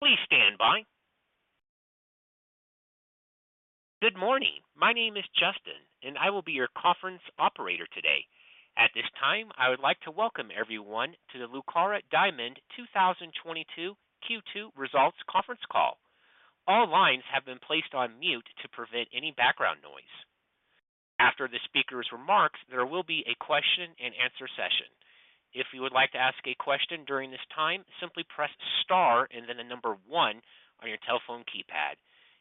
Please stand by. Good morning. My name is Justin, and I will be your conference operator today. At this time, I would like to welcome everyone to the Lucara Diamond 2022 Q2 results conference call. All lines have been placed on mute to prevent any background noise. After the speaker's remarks, there will be a question and answer session. If you would like to ask a question during this time, simply press star and then the number 1 on your telephone keypad.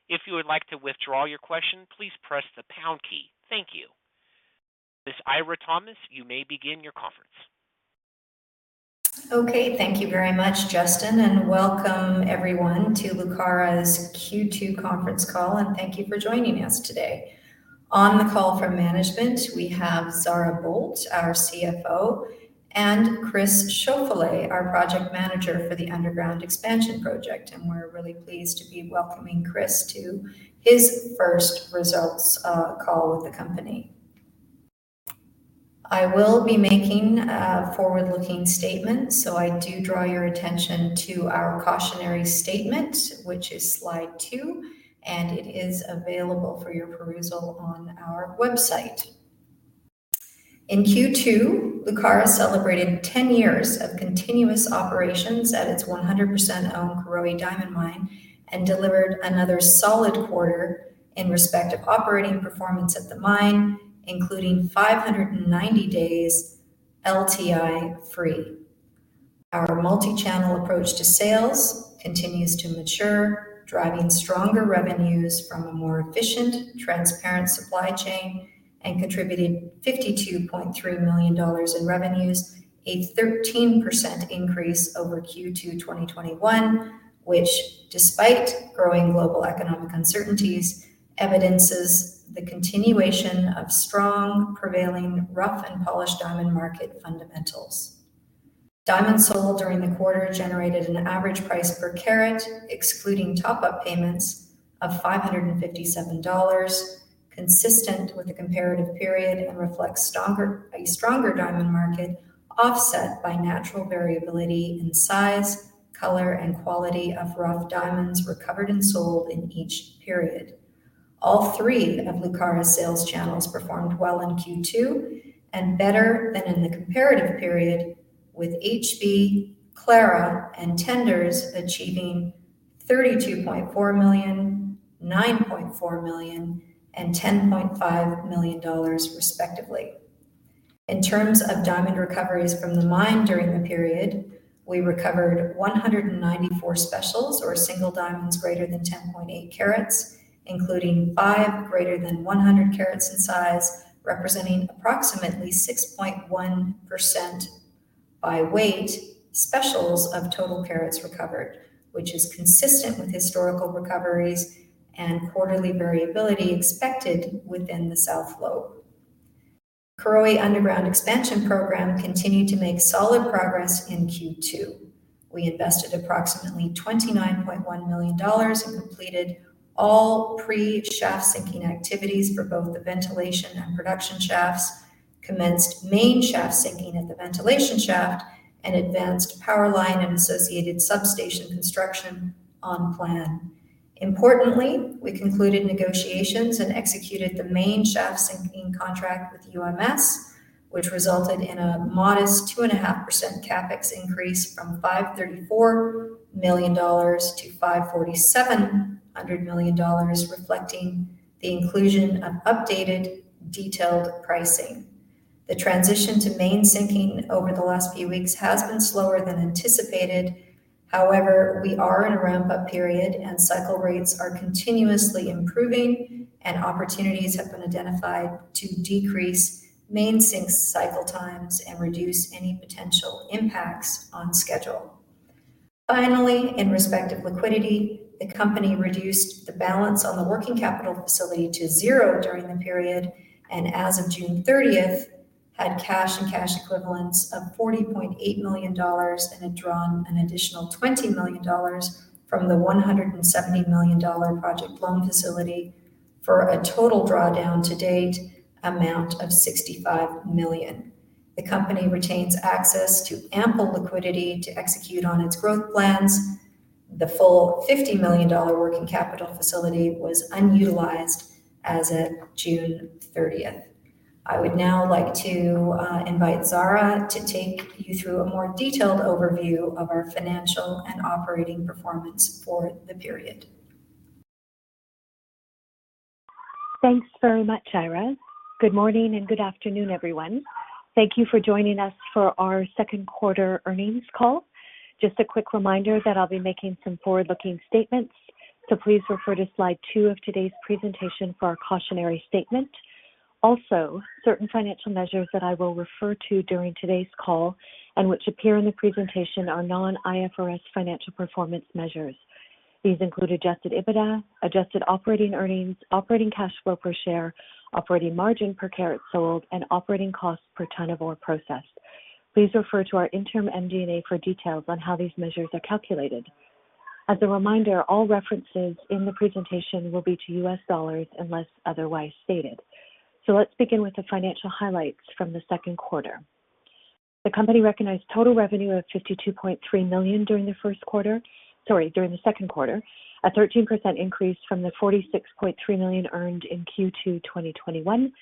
If you would like to withdraw your question, please press the pound key. Thank you. Miss Eira Thomas, you may begin your conference. Okay, thank you very much, Justin, and welcome everyone to Lucara's Q2 conference call, and thank you for joining us today. On the call from management, we have Zara Boldt, our CFO, and Chris Schauffele, our project manager for the underground expansion project. We're really pleased to be welcoming John Armstrong to his first results call with the company. I will be making forward-looking statements, so I do draw your attention to our cautionary statement, which is slide two, and it is available for your perusal on our website. In Q2, Lucara celebrated 10 years of continuous operations at its 100% owned Karowe Diamond Mine and delivered another solid quarter in respect of operating performance at the mine, including 590 days LTI-free. Our multichannel approach to sales continues to mature, driving stronger revenues from a more efficient, transparent supply chain and contributing $52.3 million in revenues, a 13% increase over Q2 2021, which despite growing global economic uncertainties, evidences the continuation of strong prevailing rough and polished diamond market fundamentals. Diamonds sold during the quarter generated an average price per carat, excluding top-up payments, of $557, consistent with the comparative period and reflects a stronger diamond market offset by natural variability in size, color, and quality of rough diamonds recovered and sold in each period. All three of Lucara's sales channels performed well in Q2 and better than in the comparative period, with HB, Clara, and Tenders achieving $32.4 million, $9.4 million, and $10.5 million respectively. In terms of diamond recoveries from the mine during the period, we recovered 194 specials or single diamonds greater than 10.8 carats, including five greater than 100 carats in size, representing approximately 6.1% by weight specials of total carats recovered, which is consistent with historical recoveries and quarterly variability expected within the South Lobe. Karowe Underground Expansion Project continued to make solid progress in Q2. We invested approximately $29.1 million and completed all pre-shaft sinking activities for both the ventilation and production shafts, commenced main shaft sinking at the ventilation shaft, and advanced power line and associated substation construction on plan. Importantly, we concluded negotiations and executed the main shaft sinking contract with UMS, which resulted in a modest 2.5% CapEx increase from $534 million to $547 million, reflecting the inclusion of updated detailed pricing. The transition to main sinking over the last few weeks has been slower than anticipated. However, we are in a ramp-up period, and cycle rates are continuously improving, and opportunities have been identified to decrease main sink cycle times and reduce any potential impacts on schedule. Finally, in respect of liquidity, the company reduced the balance on the working capital facility to zero during the period, and as of June thirtieth, had cash and cash equivalents of $40.8 million and had drawn an additional $20 million from the $170 million project loan facility for a total drawdown to date amount of $65 million. The company retains access to ample liquidity to execute on its growth plans. The full $50 million working capital facility was unutilized as at June thirtieth. I would now like to invite Zara to take you through a more detailed overview of our financial and operating performance for the period. Thanks very much, Eira. Good morning and good afternoon, everyone. Thank you for joining us for our Q2 earnings call. Just a quick reminder that I'll be making some forward-looking statements. Please refer to slide two of today's presentation for our cautionary statement. Also, certain financial measures that I will refer to during today's call and which appear in the presentation are non-IFRS financial performance measures. These include adjusted EBITDA, adjusted operating earnings, operating cash flow per share, operating margin per carat sold, and operating costs per ton of ore processed. Please refer to our interim MD&A for details on how these measures are calculated. As a reminder, all references in the presentation will be to US dollars unless otherwise stated. Let's begin with the financial highlights from the Q2. The company recognized total revenue of $52.3 million during the Q2, a 13% increase from the $46.3 million earned in Q2 2021.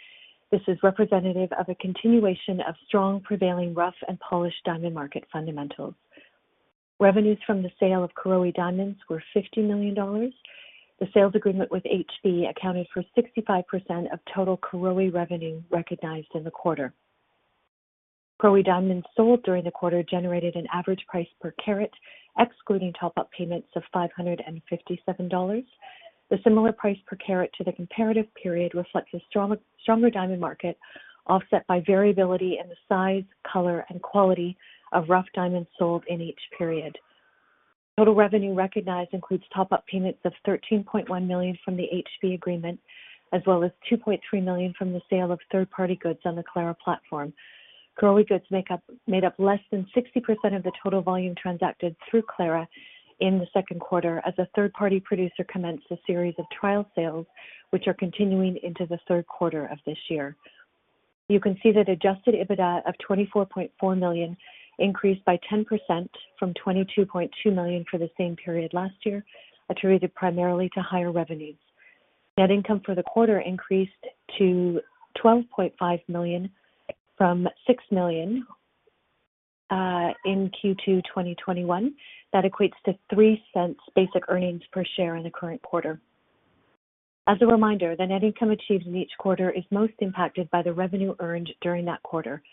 This is representative of a continuation of strong prevailing rough and polished diamond market fundamentals. Revenues from the sale of Karowe diamonds were $50 million. The sales agreement with HB accounted for 65% of total Karowe revenue recognized in the quarter. Karowe diamonds sold during the quarter generated an average price per carat, excluding top-up payments of $557. The similar price per carat to the comparative period reflects a strong diamond market, offset by variability in the size, color and quality of rough diamonds sold in each period. Total revenue recognized includes top-up payments of $13.1 million from the HB agreement, as well as $2.3 million from the sale of third-party goods on the Clara platform. Karowe goods made up less than 60% of the total volume transacted through Clara in the Q2 as a third-party producer commenced a series of trial sales, which are continuing into the Q3 of this year. You can see that adjusted EBITDA of $24.4 million increased by 10% from $22.2 million for the same period last year, attributed primarily to higher revenues. Net income for the quarter increased to $12.5 million from $6 million in Q2 2021. That equates to $0.03 basic earnings per share in the current quarter. As a reminder, the net income achieved in each quarter is most impacted by the revenue earned during that quarter.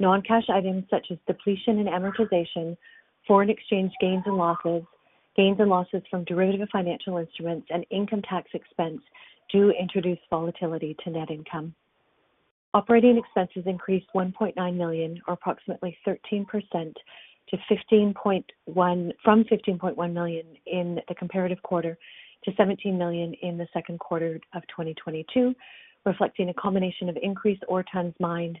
Non-cash items such as depletion and amortization, foreign exchange gains and losses, gains and losses from derivative financial instruments, and income tax expense do introduce volatility to net income. Operating expenses increased $1.9 million or approximately 13% from $15.1 million in the comparative quarter to $17 million in the Q2 of 2022, reflecting a combination of increased ore tons mined,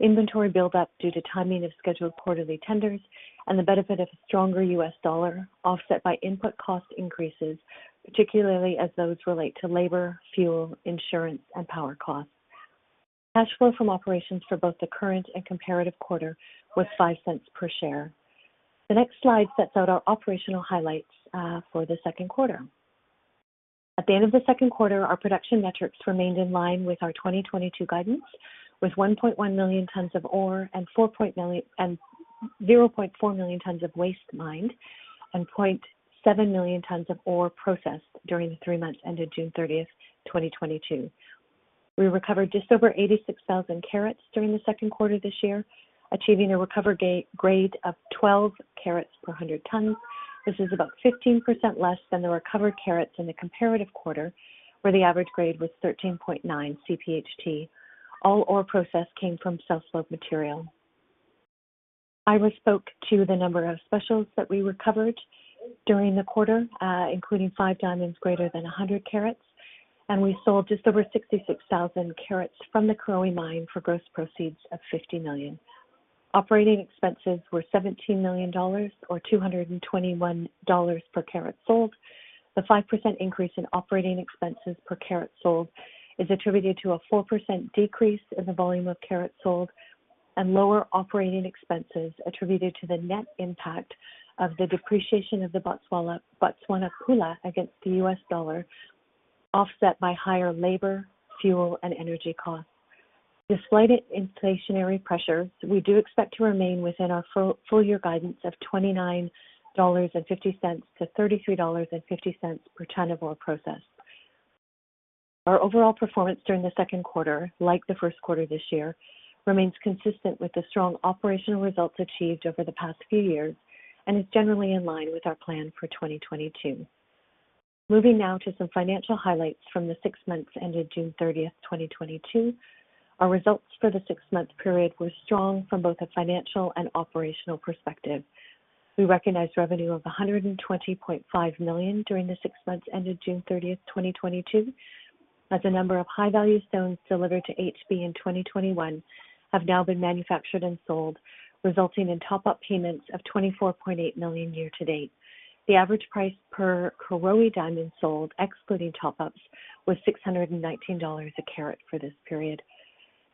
inventory build-up due to timing of scheduled quarterly tenders and the benefit of a stronger US dollar, offset by input cost increases, particularly as those relate to labor, fuel, insurance and power costs. Cash flow from operations for both the current and comparative quarter was $0.05 per share. The next slide sets out our operational highlights for the Q2. At the end of the Q2, our production metrics remained in line with our 2022 guidance, with 1.1 million tons of ore and 0.4 million tons of waste mined and 0.7 million tons of ore processed during the three months ended June 30, 2022. We recovered just over 86,000 carats during the Q2 this year, achieving a recovery grade of 12 carats per hundred tons. This is about 15% less than the recovered carats in the comparative quarter, where the average grade was 13.9 CPHT. All ore processed came from South Lobe material. Eira spoke to the number of specials that we recovered during the quarter, including five diamonds greater than 100 carats, and we sold just over 66,000 carats from the Karowe mine for gross proceeds of $50 million. Operating expenses were $17 million or $221 per carat sold. The 5% increase in operating expenses per carat sold is attributed to a 4% decrease in the volume of carats sold and lower operating expenses attributed to the net impact of the depreciation of the Botswana pula against the US dollar, offset by higher labor, fuel and energy costs. Despite inflationary pressures, we do expect to remain within our full year guidance of $29.50-$33.50 per ton of ore processed. Our overall performance during the Q2, like the Q1 this year, remains consistent with the strong operational results achieved over the past few years and is generally in line with our plan for 2022. Moving now to some financial highlights from the six months ended June 30, 2022. Our results for the six-month period were strong from both a financial and operational perspective. We recognized revenue of $120.5 million during the six months ended June 30, 2022, as a number of high-value stones delivered to HB in 2021 have now been manufactured and sold, resulting in top-up payments of $24.8 million year to date. The average price per Karowe diamond sold, excluding top-ups, was $619 a carat for this period.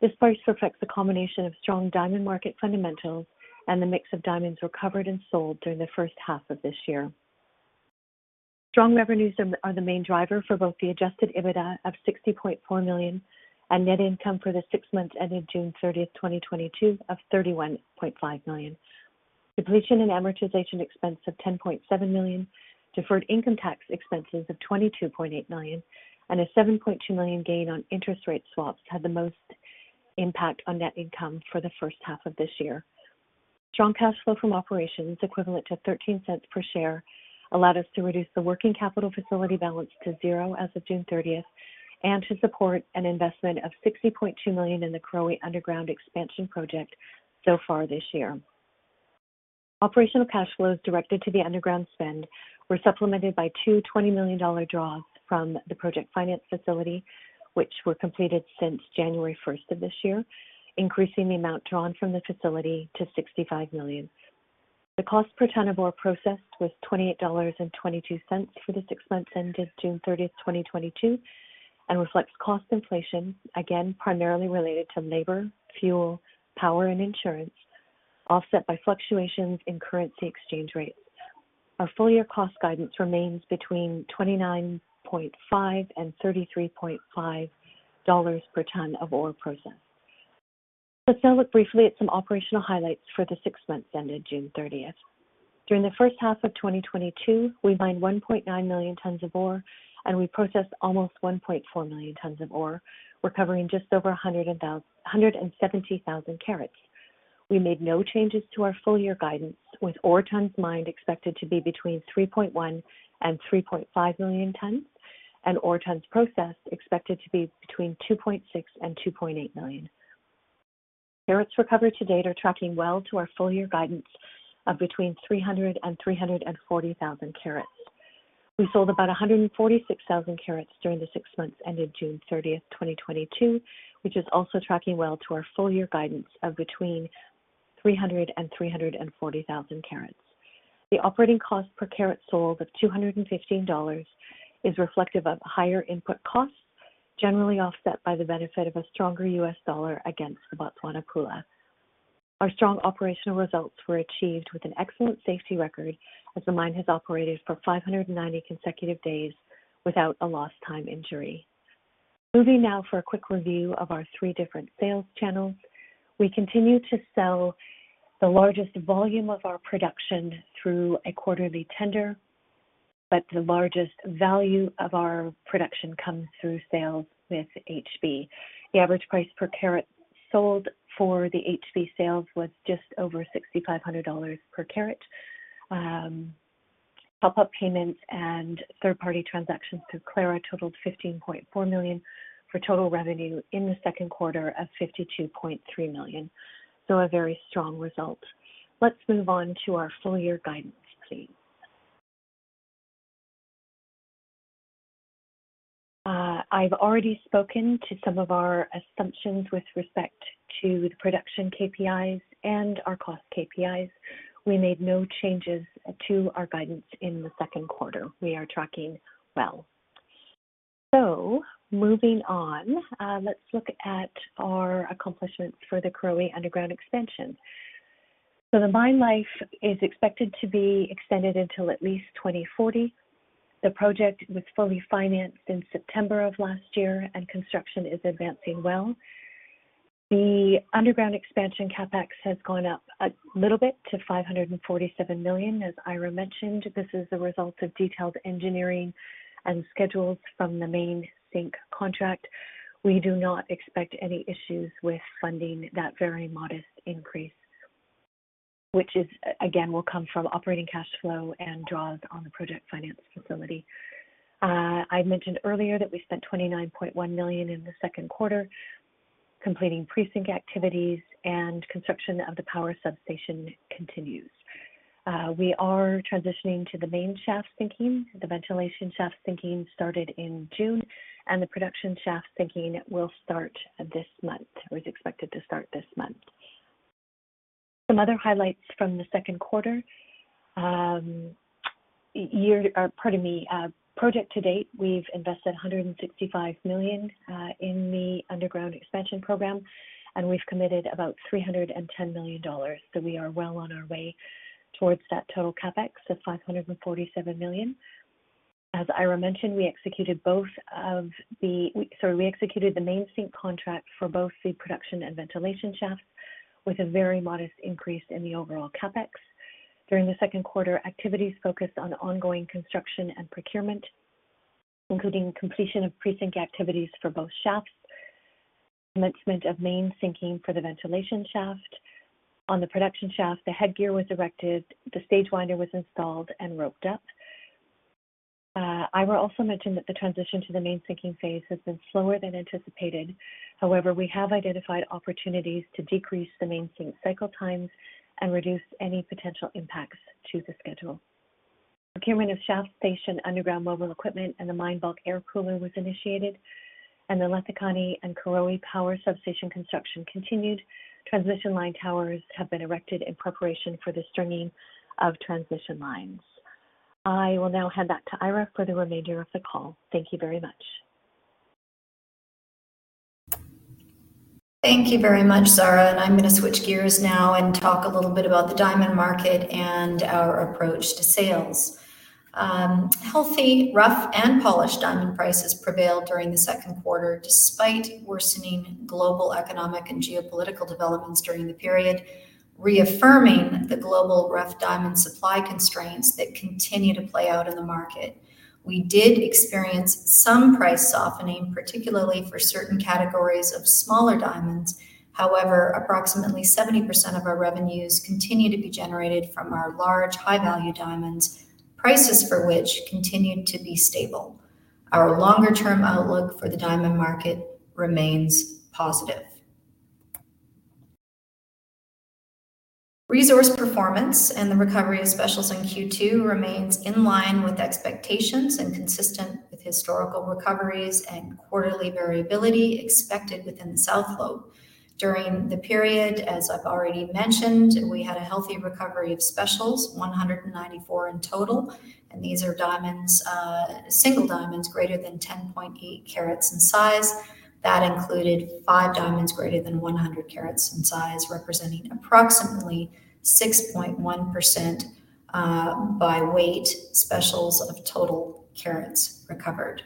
This price reflects a combination of strong diamond market fundamentals and the mix of diamonds recovered and sold during the first half of this year. Strong revenues are the main driver for both the adjusted EBITDA of $60.4 million and net income for the six months ended June 30, 2022, of $31.5 million. Depletion and amortization expense of $10.7 million, deferred income tax expenses of $22.8 million, and a $7.2 million gain on interest rate swaps had the most impact on net income for the first half of this year. Strong cash flow from operations equivalent to $0.13 per share allowed us to reduce the working capital facility balance to zero as of June 30, and to support an investment of $60.2 million in the Karowe Underground Expansion Project so far this year. Operational cash flows directed to the underground spend were supplemented by two $20 million draws from the project finance facility, which were completed since January first of this year, increasing the amount drawn from the facility to $65 million. The cost per tonne of ore processed was $28.22 for the six months ended June 30, 2022, and reflects cost inflation, again, primarily related to labor, fuel, power, and insurance, offset by fluctuations in currency exchange rates. Our full year cost guidance remains between $29.5 and $33.5 per tonne of ore processed. Let's now look briefly at some operational highlights for the six months ended June 30. During the first half of 2022, we mined 1.9 million tonnes of ore, and we processed almost 1.4 million tonnes of ore. We're covering just over 170,000 carats. We made no changes to our full year guidance, with ore tonnes mined expected to be between 3.1 and 3.5 million tonnes, and ore tonnes processed expected to be between 2.6 and 2.8 million. Carats recovered to date are tracking well to our full year guidance of between 300,000 and 340,000 carats. We sold about 146,000 carats during the six months ended June 30, 2022, which is also tracking well to our full year guidance of between 300,000 and 340,000 carats. The operating cost per carat sold of $215 is reflective of higher input costs, generally offset by the benefit of a stronger U.S. dollar against the Botswana pula. Our strong operational results were achieved with an excellent safety record as the mine has operated for 590 consecutive days without a lost time injury. Moving now for a quick review of our three different sales channels. We continue to sell the largest volume of our production through a quarterly tender, but the largest value of our production comes through sales with HB. The average price per carat sold for the HB sales was just over $6,500 per carat. Pop-up payments and third-party transactions through Clara totaled $15.4 million for total revenue in the Q2 of $52.3 million. A very strong result. Let's move on to our full year guidance, please. I've already spoken to some of our assumptions with respect to the production KPIs and our cost KPIs. We made no changes to our guidance in the Q2. We are tracking well. Moving on, let's look at our accomplishments for the Karowe Underground Expansion. The mine life is expected to be extended until at least 2040. The project was fully financed in September of last year and construction is advancing well. The Underground Expansion CapEx has gone up a little bit to $547 million, as Eira mentioned. This is the result of detailed engineering and schedules from the main sink contract. We do not expect any issues with funding that very modest increase, which is, again, will come from operating cash flow and draws on the project finance facility. I mentioned earlier that we spent $29.1 million in the Q2, completing pre-sink activities. Construction of the power substation continues. We are transitioning to the main shaft sinking. The ventilation shaft sinking started in June, and the production shaft sinking will start this month, or is expected to start this month. Some other highlights from the Q2. Project to date, we've invested $165 million in the underground expansion program, and we've committed about $310 million. We are well on our way towards that total CapEx of $547 million. As Eira mentioned, we executed the main sink contract for both the production and ventilation shafts with a very modest increase in the overall CapEx. During the Q2, activities focused on ongoing construction and procurement, including completion of pre-sink activities for both shafts, commencement of main sinking for the ventilation shaft. On the production shaft, the headgear was erected, the stage winder was installed and roped up. Eira also mentioned that the transition to the main sinking phase has been slower than anticipated. However, we have identified opportunities to decrease the main sink cycle times and reduce any potential impacts to the schedule. Procurement of shaft station underground mobile equipment and the mine bulk air cooler was initiated, and the Letlhakane and Karowe power substation construction continued. Transmission line towers have been erected in preparation for the stringing of transmission lines. I will now hand back to Ira for the remainder of the call. Thank you very much. Thank you very much, Zara, and I'm gonna switch gears now and talk a little bit about the diamond market and our approach to sales. Healthy, rough, and polished diamond prices prevailed during the Q2 despite worsening global economic and geopolitical developments during the period, reaffirming the global rough diamond supply constraints that continue to play out in the market. We did experience some price softening, particularly for certain categories of smaller diamonds. However, approximately 70% of our revenues continue to be generated from our large, high-value diamonds, prices for which continued to be stable. Our longer-term outlook for the diamond market remains positive. Resource performance and the recovery of specials in Q2 remains in line with expectations and consistent with historical recoveries and quarterly variability expected within the South Lobe. During the period, as I've already mentioned, we had a healthy recovery of specials, 194 in total. These are diamonds, single diamonds greater than 10.8 carats in size. That included five diamonds greater than 100 carats in size, representing approximately 6.1%, by weight, specials of total carats recovered.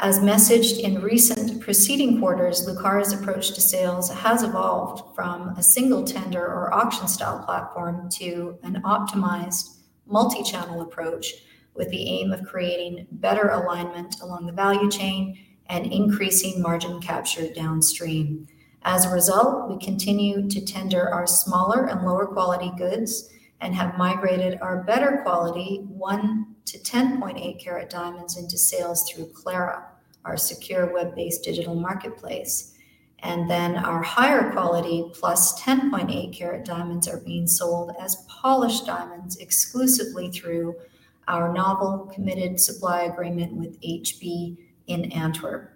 As messaged in recent preceding quarters, Lucara's approach to sales has evolved from a single tender or auction-style platform to an optimized multi-channel approach, with the aim of creating better alignment along the value chain and increasing margin capture downstream. As a result, we continue to tender our smaller and lower quality goods and have migrated our better quality 1 to 10.8 carat diamonds into sales through Clara, our secure web-based digital marketplace. Our higher quality +10.8-carat diamonds are being sold as polished diamonds exclusively through our novel committed supply agreement with HB Antwerp.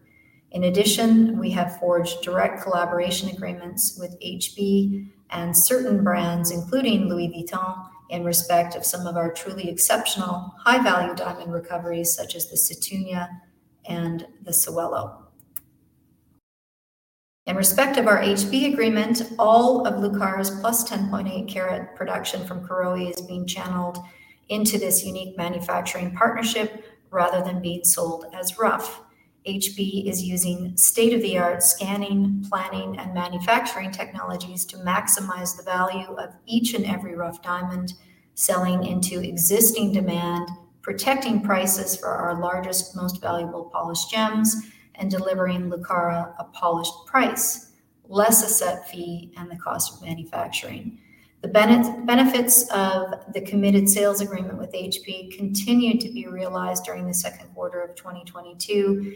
In addition, we have forged direct collaboration agreements with HB Antwerp and certain brands, including Louis Vuitton, in respect of some of our truly exceptional high-value diamond recoveries, such as the Sethunya and the Sewelô. In respect of our HB Antwerp agreement, all of Lucara's +10.8-carat production from Karowe is being channeled into this unique manufacturing partnership rather than being sold as rough. HB Antwerp is using state-of-the-art scanning, planning, and manufacturing technologies to maximize the value of each and every rough diamond, selling into existing demand, protecting prices for our largest, most valuable polished gems, and delivering Lucara a polished price, less a set fee and the cost of manufacturing. The benefits of the committed sales agreement with HB continued to be realized during the Q2 of 2022,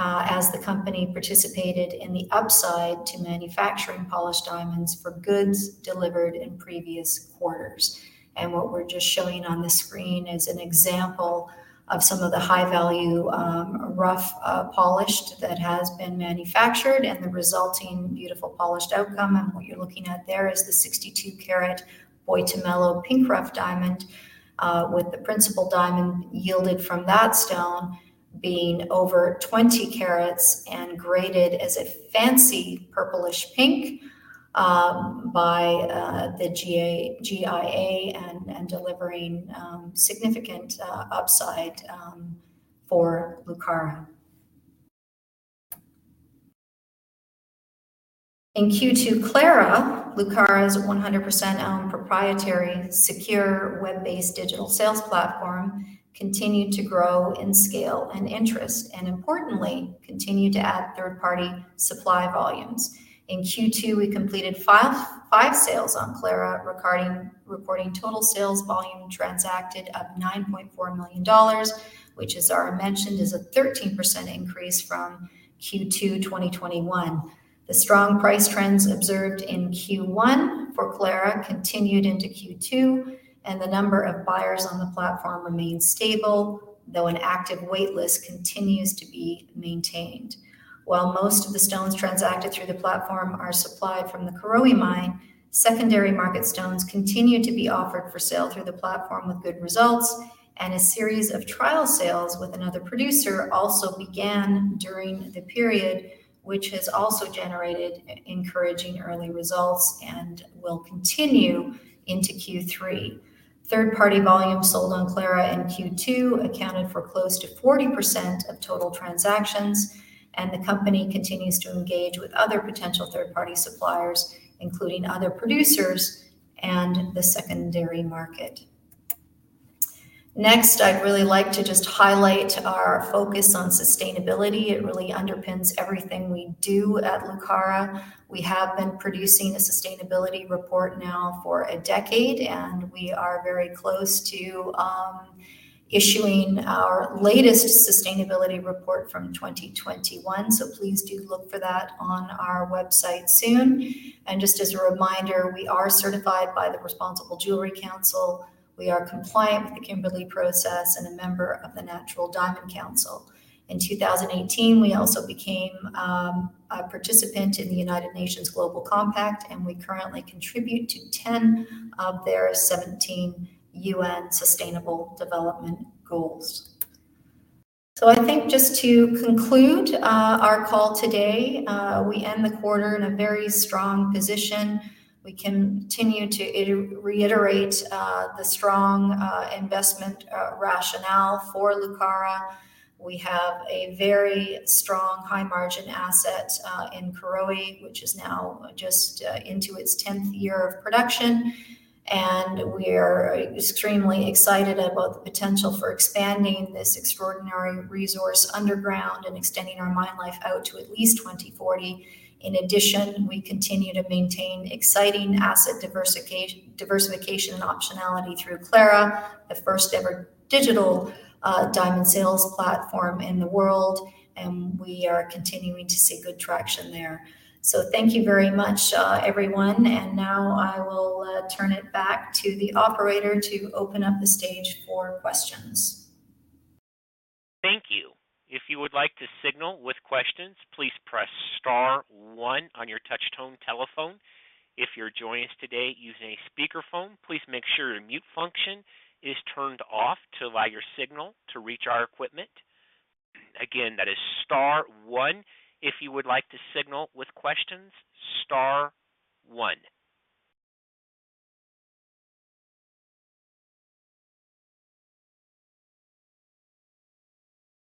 as the company participated in the upside to manufacturing polished diamonds for goods delivered in previous quarters. What we're just showing on the screen is an example of some of the high value, rough, polished that has been manufactured and the resulting beautiful polished outcome. What you're looking at there is the 62-carat Boitumelo Pink rough diamond, with the principal diamond yielded from that stone being over 20 carats and graded as a fancy purplish pink, by the GIA and delivering significant upside for Lucara. In Q2, Clara, Lucara's 100% owned proprietary secure web-based digital sales platform, continued to grow in scale and interest and importantly, continued to add third-party supply volumes. In Q2, we completed five sales on Clara, reporting total sales volume transacted of $9.4 million, which as I mentioned, is a 13% increase from Q2 2021. The strong price trends observed in Q1 for Clara continued into Q2, and the number of buyers on the platform remained stable, though an active wait list continues to be maintained. While most of the stones transacted through the platform are supplied from the Karowe mine, secondary market stones continued to be offered for sale through the platform with good results, and a series of trial sales with another producer also began during the period, which has also generated encouraging early results and will continue into Q3. Third-party volume sold on Clara in Q2 accounted for close to 40% of total transactions, and the company continues to engage with other potential third-party suppliers, including other producers and the secondary market. Next, I'd really like to just highlight our focus on sustainability. It really underpins everything we do at Lucara. We have been producing a sustainability report now for a decade, and we are very close to issuing our latest sustainability report from 2021. So please do look for that on our website soon. Just as a reminder, we are certified by the Responsible Jewelry Council. We are compliant with the Kimberley Process and a member of the Natural Diamond Council. In 2018, we also became a participant in the United Nations Global Compact, and we currently contribute to 10 of their 17 United Nations Sustainable Development Goals. I think just to conclude our call today, we end the quarter in a very strong position. We continue to reiterate the strong investment rationale for Lucara. We have a very strong high margin asset in Karowe, which is now just into its tenth year of production. We are extremely excited about the potential for expanding this extraordinary resource underground and extending our mine life out to at least 2040. In addition, we continue to maintain exciting asset diversification and optionality through Clara, the first-ever digital diamond sales platform in the world, and we are continuing to see good traction there. Thank you very much, everyone. Now I will turn it back to the operator to open up the stage for questions. Thank you. If you would like to signal with questions, please press star one on your touchtone telephone. If you're joining us today using a speakerphone, please make sure your mute function is turned off to allow your signal to reach our equipment. Again, that is star one if you would like to signal with questions, star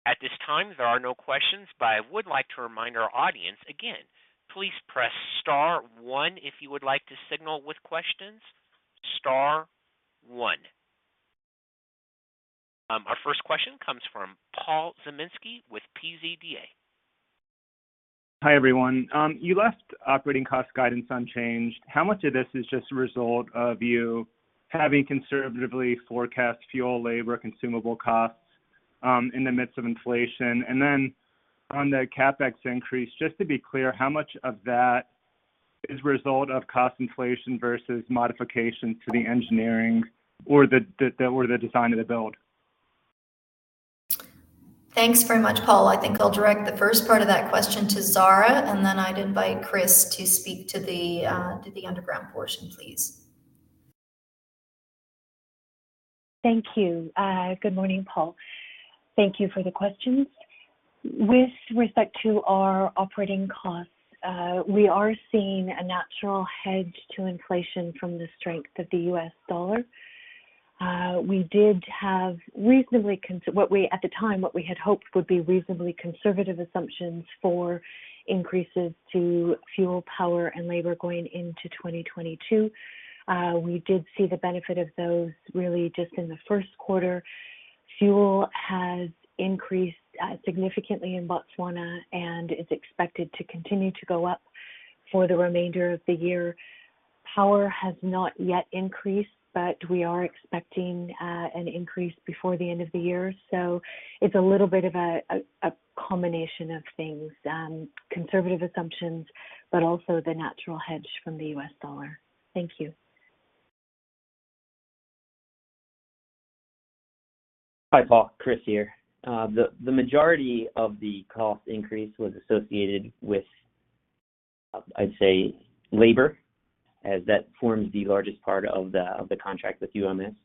one. At this time, there are no questions, but I would like to remind our audience again, please press star one if you would like to signal with questions, star one. Our first question comes from Paul Zimnisky with PZDA. Hi, everyone. You left operating cost guidance unchanged. How much of this is just a result of you having conservatively forecast fuel, labor, consumable costs, in the midst of inflation? On the CapEx increase, just to be clear, how much of that is a result of cost inflation versus modifications to the engineering or the design of the build? Thanks very much, Paul. I think I'll direct the first part of that question to Zara, and then I'd invite Chris to speak to the underground portion, please. Thank you. Good morning, Paul. Thank you for the questions. With respect to our operating costs, we are seeing a natural hedge to inflation from the strength of the U.S. dollar. We did have what we at the time had hoped would be reasonably conservative assumptions for increases to fuel, power, and labor going into 2022. We did see the benefit of those really just in the Q1. Fuel has increased significantly in Botswana and is expected to continue to go up for the remainder of the year. Power has not yet increased, but we are expecting an increase before the end of the year. It's a little bit of a combination of things, conservative assumptions, but also the natural hedge from the U.S. dollar. Thank you. Hi, Paul. Chris here. The majority of the cost increase was associated with, I'd say, labor, as that forms the largest part of the contract with UMS.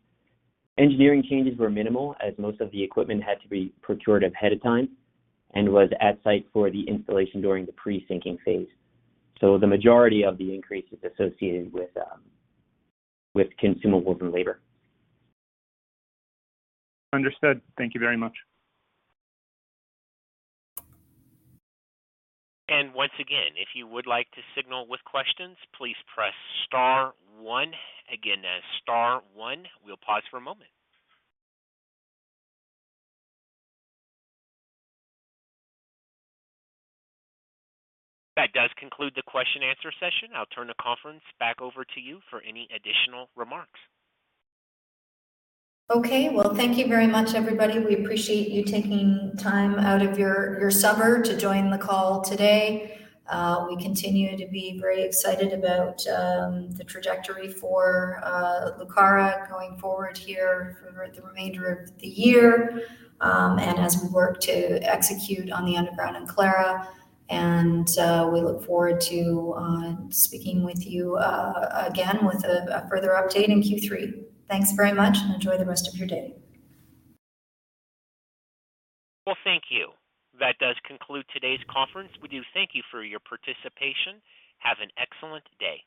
Engineering changes were minimal as most of the equipment had to be procured ahead of time and was at site for the installation during the pre-sinking phase. The majority of the increase is associated with consumables and labor. Understood. Thank you very much. Once again, if you would like to signal with questions, please press star one. Again, that's star one. We'll pause for a moment. That does conclude the question/answer session. I'll turn the conference back over to you for any additional remarks. Okay. Well, thank you very much, everybody. We appreciate you taking time out of your summer to join the call today. We continue to be very excited about the trajectory for Lucara going forward here for the remainder of the year, and as we work to execute on the underground in Clara. We look forward to speaking with you again with a further update in Q3. Thanks very much, and enjoy the rest of your day. Well, thank you. That does conclude today's conference. We do thank you for your participation. Have an excellent day.